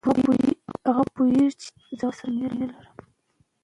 باید هر افغان د مطالعې فرهنګ ته وده ورکړي.